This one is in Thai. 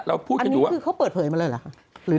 เราพูดอยู่ว่าอันนี้คือเขาเปิดเผยมาเลยหรือครับ